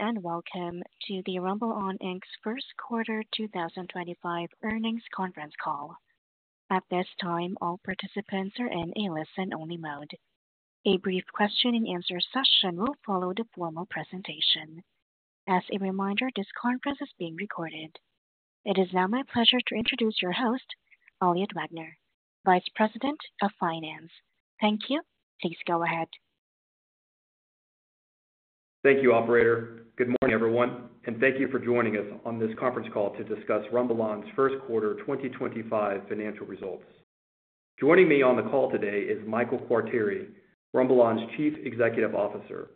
Greetings and welcome to the RumbleOn First Quarter 2025 Earnings Conference Call. At this time, all participants are in a listen-only mode. A brief question-and-answer session will follow the formal presentation. As a reminder, this conference is being recorded. It is now my pleasure to introduce your host, Elliot Wagner, Vice President of Finance. Thank you. Please go ahead. Thank you, Operator. Good morning, everyone, and thank you for joining us on this conference call to discuss RumbleOn's First Quarter 2025 Financial Results. Joining me on the call today is Michael Quartieri, RumbleOn's Chief Executive Officer.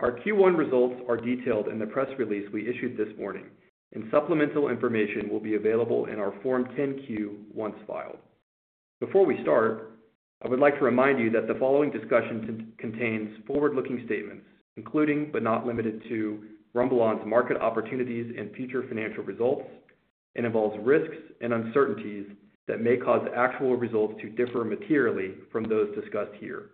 Our Q1 results are detailed in the press release we issued this morning, and supplemental information will be available in our Form 10-Q once filed. Before we start, I would like to remind you that the following discussion contains forward-looking statements, including but not limited to RumbleOn's market opportunities and future financial results, and involves risks and uncertainties that may cause actual results to differ materially from those discussed here.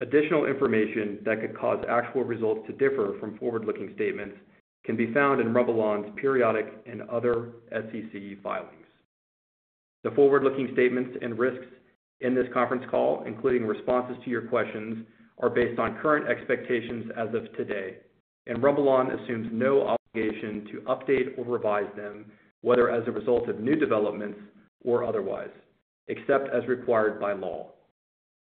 Additional information that could cause actual results to differ from forward-looking statements can be found in RumbleOn's periodic and other SEC filings. The forward-looking statements and risks in this conference call, including responses to your questions, are based on current expectations as of today, and RumbleOn assumes no obligation to update or revise them, whether as a result of new developments or otherwise, except as required by law.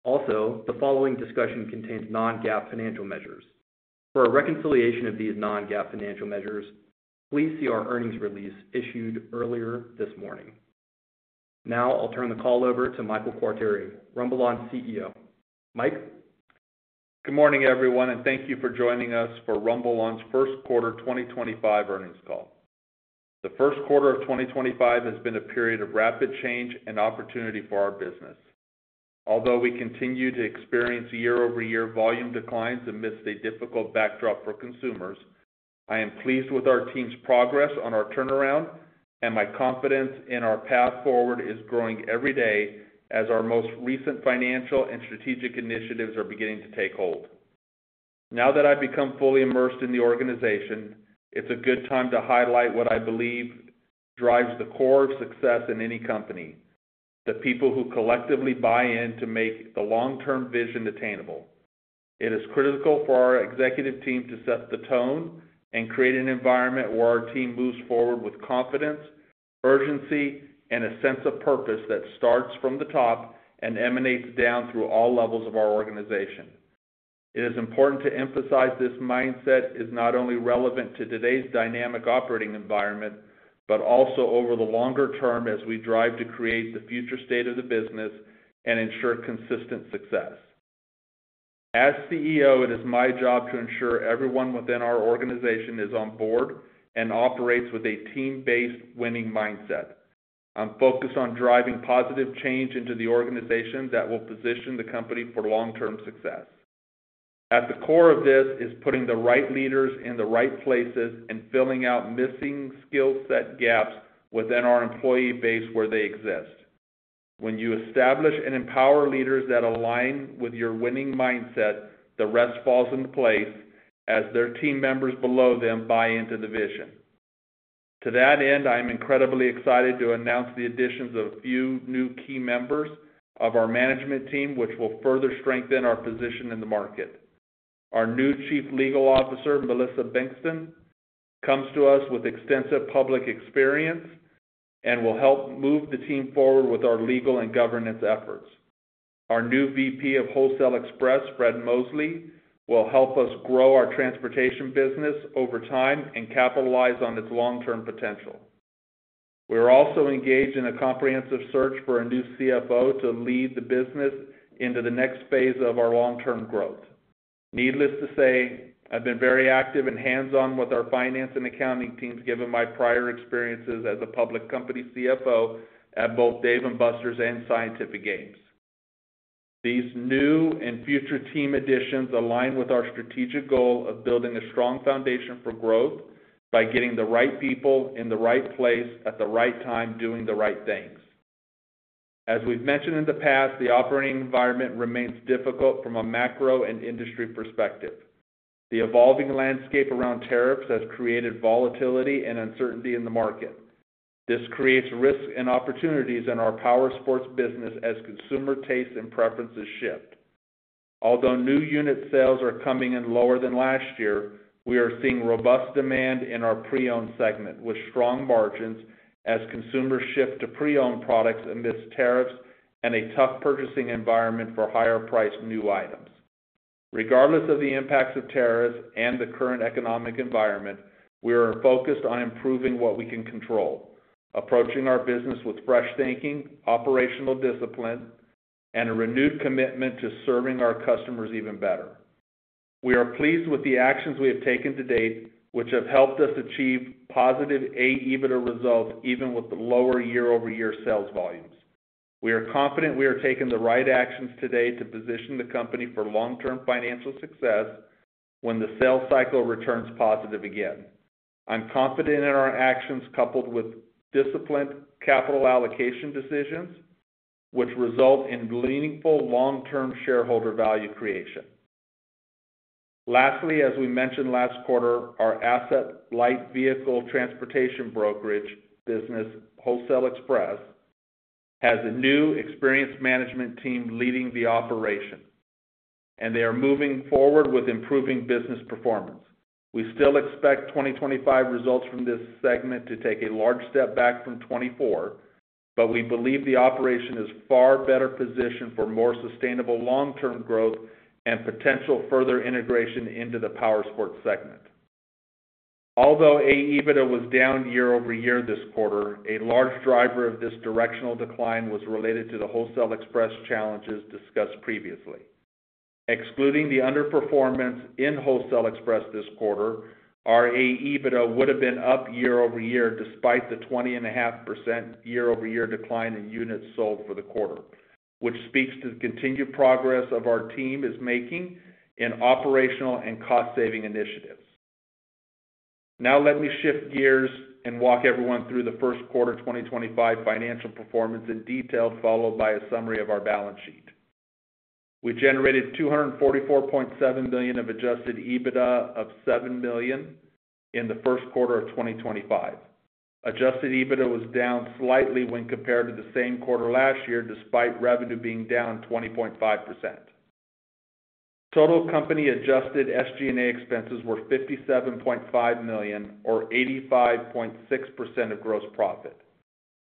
Also, the following discussion contains non-GAAP financial measures. For a reconciliation of these non-GAAP financial measures, please see our earnings release issued earlier this morning. Now I'll turn the call over to Michael Quartieri, RumbleOn CEO. Mike. Good morning, everyone, and thank you for joining us for RumbleOn's First Quarter 2025 Earnings Call. The first quarter of 2025 has been a period of rapid change and opportunity for our business. Although we continue to experience year-over-year volume declines amidst a difficult backdrop for consumers, I am pleased with our team's progress on our turnaround, and my confidence in our path forward is growing every day as our most recent financial and strategic initiatives are beginning to take hold. Now that I've become fully immersed in the organization, it's a good time to highlight what I believe drives the core of success in any company: the people who collectively buy in to make the long-term vision attainable. It is critical for our Executive Team to set the tone and create an environment where our team moves forward with confidence, urgency, and a sense of purpose that starts from the top and emanates down through all levels of our organization. It is important to emphasize this mindset is not only relevant to today's dynamic operating environment but also over the longer term as we drive to create the future state of the business and ensure consistent success. As CEO, it is my job to ensure everyone within our organization is on board and operates with a team-based winning mindset. I'm focused on driving positive change into the organization that will position the company for long-term success. At the core of this is putting the right leaders in the right places and filling out missing skill set gaps within our employee base where they exist. When you establish and empower leaders that align with your winning mindset, the rest falls into place as their team members below them buy into the vision. To that end, I am incredibly excited to announce the additions of a few new key members of our management team, which will further strengthen our position in the market. Our new Chief Legal Officer, Melissa Bankston, comes to us with extensive public experience and will help move the team forward with our legal and governance efforts. Our new VP of Wholesale Express, Fred Moseley, will help us grow our transportation business over time and capitalize on its long-term potential. We are also engaged in a comprehensive search for a new CFO to lead the business into the next phase of our long-term growth. Needless to say, I've been very active and hands-on with our finance and accounting teams given my prior experiences as a public company CFO at both Dave & Buster's and Scientific Games. These new and future team additions align with our strategic goal of building a strong foundation for growth by getting the right people in the right place at the right time doing the right things. As we've mentioned in the past, the operating environment remains difficult from a macro and industry perspective. The evolving landscape around tariffs has created volatility and uncertainty in the market. This creates risk and opportunities in our powersports business as consumer tastes and preferences shift. Although new unit sales are coming in lower than last year, we are seeing robust demand in our pre-owned segment with strong margins as consumers shift to pre-owned products amidst tariffs and a tough purchasing environment for higher-priced new items. Regardless of the impacts of tariffs and the current economic environment, we are focused on improving what we can control, approaching our business with fresh thinking, operational discipline, and a renewed commitment to serving our customers even better. We are pleased with the actions we have taken to date, which have helped us achieve positive Adjusted EBITDA results even with lower year-over-year sales volumes. We are confident we are taking the right actions today to position the company for long-term financial success when the sales cycle returns positive again. I'm confident in our actions coupled with disciplined capital allocation decisions, which result in meaningful long-term shareholder value creation. Lastly, as we mentioned last quarter, our asset light vehicle transportation brokerage business, Wholesale Express, has a new experienced management team leading the operation, and they are moving forward with improving business performance. We still expect 2025 results from this segment to take a large step back from 2024, but we believe the operation is far better positioned for more sustainable long-term growth and potential further integration into the powersports segment. Although Adjusted EBITDA was down year-over-year this quarter, a large driver of this directional decline was related to the Wholesale Express challenges discussed previously. Excluding the underperformance in Wholesale Express this quarter, our Adjusted EBITDA would have been up year-over-year despite the 20.5% year-over-year decline in units sold for the quarter, which speaks to the continued progress our team is making in operational and cost-saving initiatives. Now let me shift gears and walk everyone through the first quarter 2025 financial performance in detail, followed by a summary of our balance sheet. We generated $244.7 million of adjusted EBITDA of $7 million in the first quarter of 2025. Adjusted EBITDA was down slightly when compared to the same quarter last year, despite revenue being down 20.5%. Total company adjusted SG&A expenses were $57.5 million, or 85.6% of gross profit,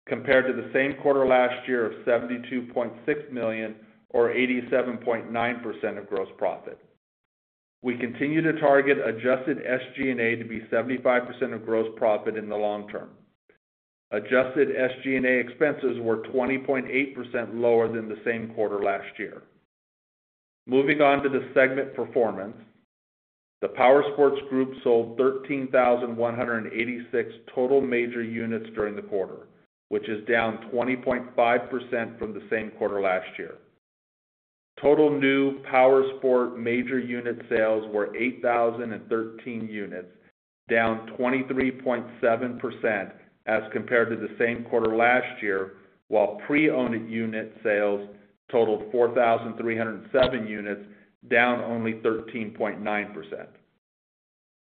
compared to the same quarter last year of $72.6 million, or 87.9% of gross profit. We continue to target adjusted SG&A to be 75% of gross profit in the long term. Adjusted SG&A expenses were 20.8% lower than the same quarter last year. Moving on to the segment performance, the power sports group sold 13,186 total major units during the quarter, which is down 20.5% from the same quarter last year. Total new powersport major unit sales were 8,013 units, down 23.7% as compared to the same quarter last year, while pre-owned unit sales totaled 4,307 units, down only 13.9%.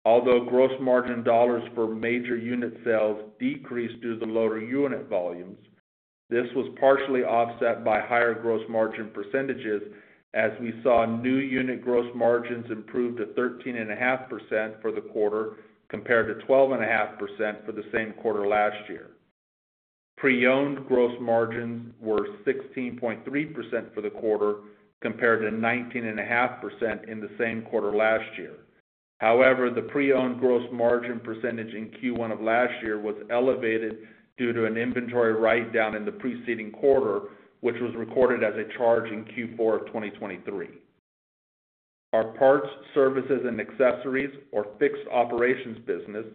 Although gross margin dollars for major unit sales decreased due to lower unit volumes, this was partially offset by higher gross margin percentages as we saw new unit gross margins improve to 13.5% for the quarter compared to 12.5% for the same quarter last year. Pre-owned gross margins were 16.3% for the quarter compared to 19.5% in the same quarter last year. However, the pre-owned gross margin percentage in Q1 of last year was elevated due to an inventory write-down in the preceding quarter, which was recorded as a charge in Q4 of 2023. Our parts, services, and accessories, or fixed operations business,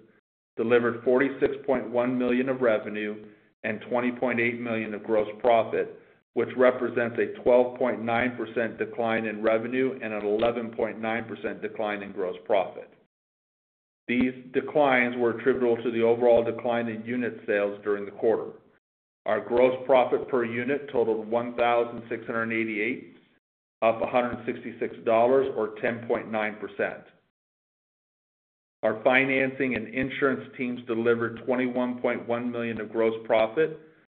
delivered $46.1 million of revenue and $20.8 million of gross profit, which represents a 12.9% decline in revenue and an 11.9% decline in gross profit. These declines were attributable to the overall decline in unit sales during the quarter. Our gross profit per unit totaled $1,688, or 10.9%. Our financing and insurance teams delivered $21.1 million of gross profit,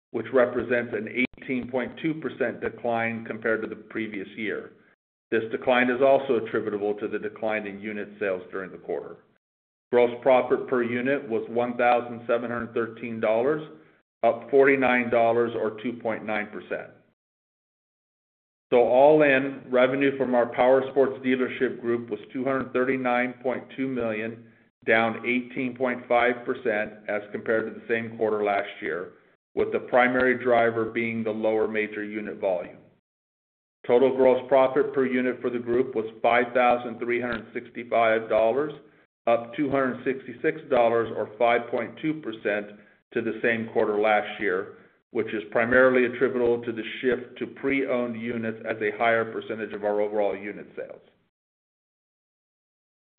which represents an 18.2% decline compared to the previous year. This decline is also attributable to the decline in unit sales during the quarter. Gross profit per unit was $1,713, up $49, or 2.9%. All in, revenue from our powersports dealership group was $239.2 million, down 18.5% as compared to the same quarter last year, with the primary driver being the lower major unit volume. Total gross profit per unit for the group was $5,365, up $266, or 5.2% to the same quarter last year, which is primarily attributable to the shift to pre-owned units as a higher percentage of our overall unit sales.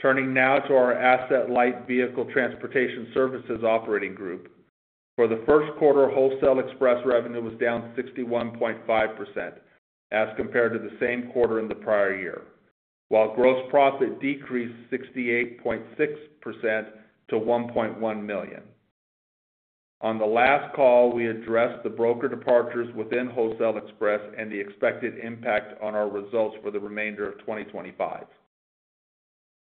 Turning now to our asset light vehicle transportation services operating group, for the first quarter, Wholesale Express revenue was down 61.5% as compared to the same quarter in the prior year, while gross profit decreased 68.6% to $1.1 million. On the last call, we addressed the broker departures within Wholesale Express and the expected impact on our results for the remainder of 2025.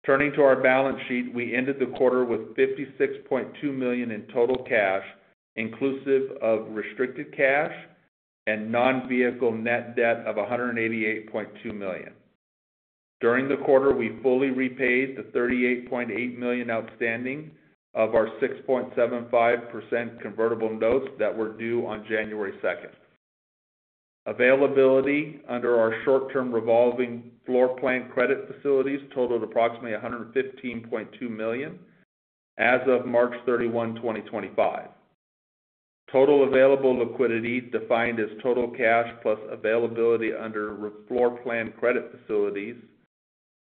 Turning to our balance sheet, we ended the quarter with $56.2 million in total cash, inclusive of restricted cash and non-vehicle net debt of $188.2 million. During the quarter, we fully repaid the $38.8 million outstanding of our 6.75% convertible notes that were due on January 2. Availability under our short-term revolving floor plan credit facilities totaled approximately $115.2 million as of March 31, 2025. Total available liquidity, defined as total cash plus availability under floor plan credit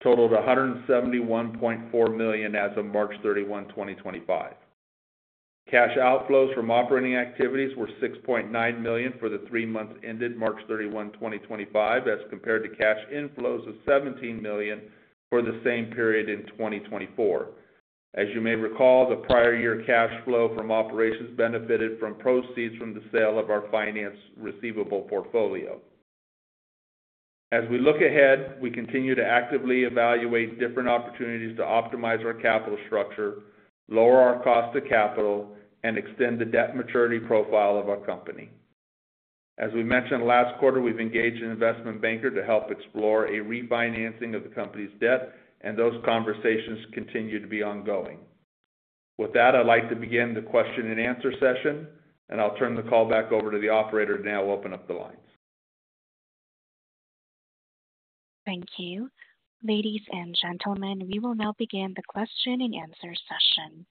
facilities, totaled $171.4 million as of March 31, 2025. Cash outflows from operating activities were $6.9 million for the three months ended March 31, 2025, as compared to cash inflows of $17 million for the same period in 2024. As you may recall, the prior year cash flow from operations benefited from proceeds from the sale of our finance receivable portfolio. As we look ahead, we continue to actively evaluate different opportunities to optimize our capital structure, lower our cost of capital, and extend the debt maturity profile of our company. As we mentioned last quarter, we've engaged an investment banker to help explore a refinancing of the company's debt, and those conversations continue to be ongoing. With that, I'd like to begin the question and answer session, and I'll turn the call back over to the Operator to now open up the lines. Thank you. Ladies and gentlemen, we will now begin the question and answer session.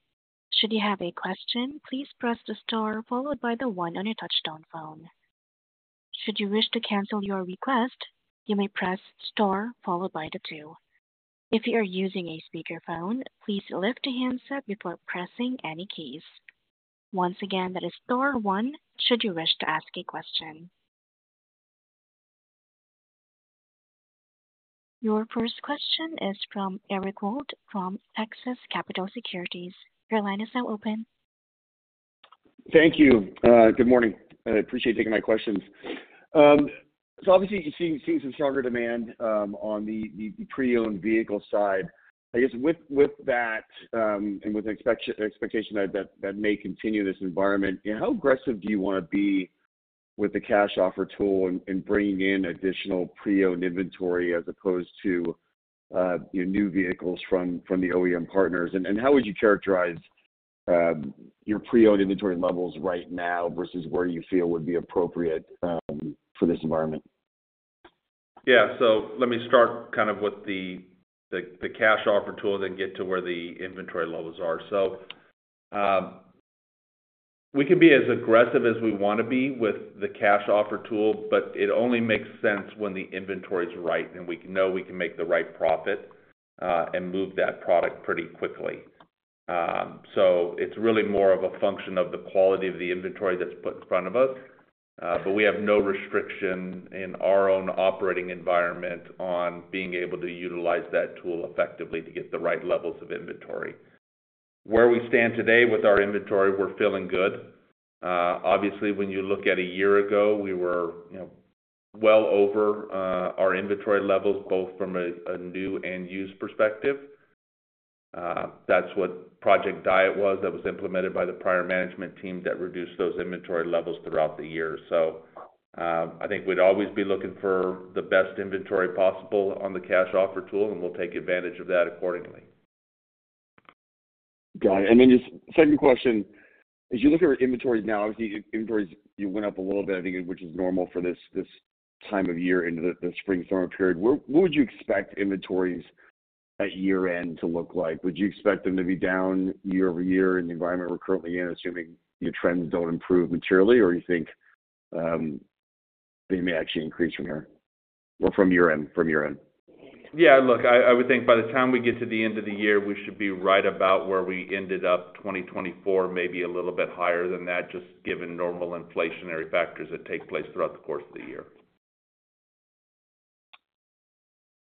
Should you have a question, please press the star followed by the one on your touch-tone phone. Should you wish to cancel your request, you may press star followed by the two. If you are using a speakerphone, please lift a handset before pressing any keys. Once again, that is star one should you wish to ask a question. Your first question is from Eric Wold from Texas Capital Securities. Your line is now open. Thank you. Good morning. I appreciate taking my questions. Obviously, you've seen some stronger demand on the pre-owned vehicle side. I guess with that and with the expectation that may continue this environment, how aggressive do you want to be with the cash offer tool in bringing in additional pre-owned inventory as opposed to new vehicles from the OEM partners? How would you characterize your pre-owned inventory levels right now versus where you feel would be appropriate for this environment? Yeah. Let me start kind of with the cash offer tool, then get to where the inventory levels are. We can be as aggressive as we want to be with the cash offer tool, but it only makes sense when the inventory is right and we know we can make the right profit and move that product pretty quickly. It is really more of a function of the quality of the inventory that is put in front of us, but we have no restriction in our own operating environment on being able to utilize that tool effectively to get the right levels of inventory. Where we stand today with our inventory, we are feeling good. Obviously, when you look at a year ago, we were well over our inventory levels, both from a new and used perspective. That is what Project Diet was that was implemented by the prior management team that reduced those inventory levels throughout the year. I think we would always be looking for the best inventory possible on the cash offer tool, and we will take advantage of that accordingly. Got it. And then just second question, as you look at our inventory now, obviously, inventories went up a little bit, I think, which is normal for this time of year in the spring-summer period. What would you expect inventories at year-end to look like? Would you expect them to be down year over year in the environment we're currently in, assuming your trends don't improve materially, or you think they may actually increase from here or from year-end? Yeah. Look, I would think by the time we get to the end of the year, we should be right about where we ended up 2024, maybe a little bit higher than that, just given normal inflationary factors that take place throughout the course of the year.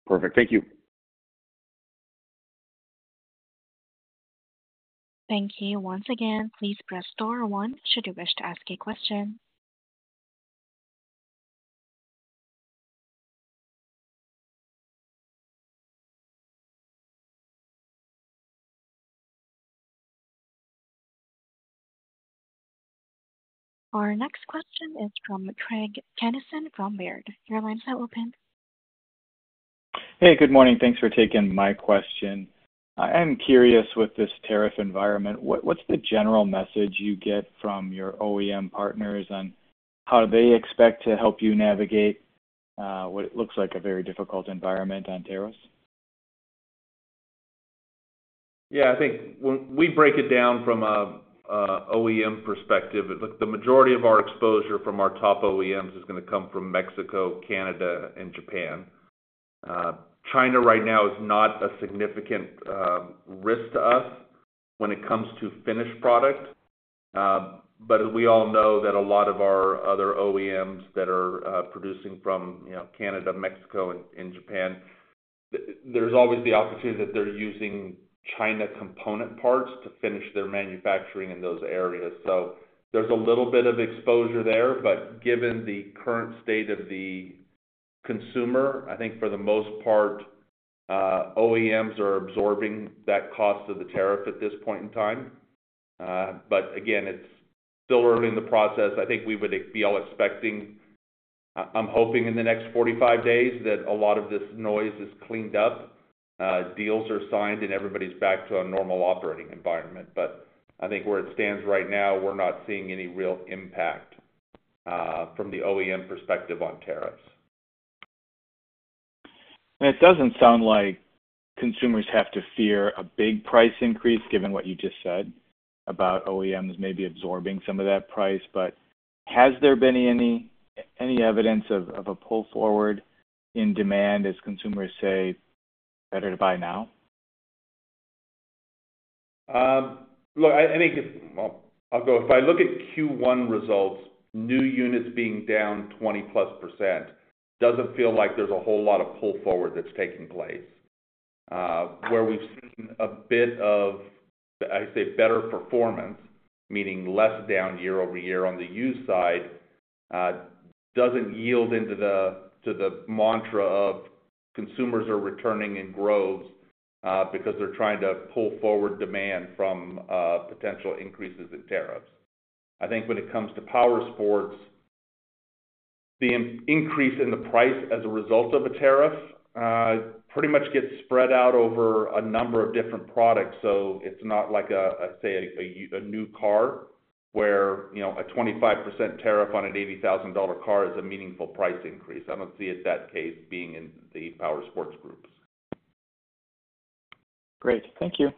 Perfect. Thank you. Thank you. Once again, please press star one should you wish to ask a question. Our next question is from Craig Kennison from Baird. Your line is now open. Hey, good morning. Thanks for taking my question. I am curious with this tariff environment. What's the general message you get from your OEM partners and how do they expect to help you navigate what looks like a very difficult environment on tariffs? Yeah. I think when we break it down from an OEM perspective, look, the majority of our exposure from our top OEMs is going to come from Mexico, Canada, and Japan. China right now is not a significant risk to us when it comes to finished product. But we all know that a lot of our other OEMs that are producing from Canada, Mexico, and Japan, there's always the opportunity that they're using China component parts to finish their manufacturing in those areas. There's a little bit of exposure there, but given the current state of the consumer, I think for the most part, OEMs are absorbing that cost of the tariff at this point in time. Again, it's still early in the process. I think we would be all expecting, I'm hoping in the next 45 days that a lot of this noise is cleaned up, deals are signed, and everybody's back to a normal operating environment. I think where it stands right now, we're not seeing any real impact from the OEM perspective on tariffs. It doesn't sound like consumers have to fear a big price increase given what you just said about OEMs maybe absorbing some of that price. Has there been any evidence of a pull forward in demand as consumers say, "Better to buy now"? Look, I think if I look at Q1 results, new units being down 20+% does not feel like there is a whole lot of pull forward that is taking place. Where we have seen a bit of, I say, better performance, meaning less down year over year on the used side, does not yield into the mantra of consumers are returning in groves because they are trying to pull forward demand from potential increases in tariffs. I think when it comes to power sports, the increase in the price as a result of a tariff pretty much gets spread out over a number of different products. It is not like, say, a new car where a 25% tariff on an $80,000 car is a meaningful price increase. I do not see that case being in the power sports groups. Great. Thank you.